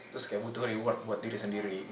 terus kayak butuh reward buat diri sendiri